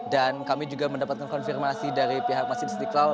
dan kami juga mendapatkan konfirmasi dari pihak masjid istiqlal